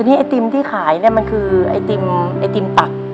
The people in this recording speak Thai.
อันนี้ไอติมที่ขายเนี่ยมันคือไอติมตัก